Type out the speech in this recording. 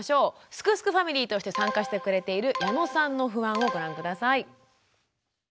すくすくファミリーとして参加してくれている矢野さんの不安をご覧下さい。